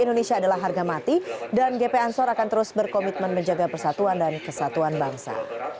indonesia adalah harga mati dan gp ansor akan terus berkomitmen menjaga persatuan dan kesatuan bangsa